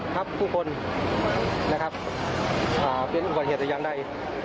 ครับทุกคนนะครับอ่าเป็นอื่นกว่าเหตุยังได้